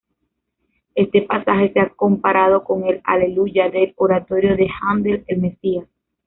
Este pasaje se ha comparado con el "Aleluya" del oratorio de Händel "El Mesías".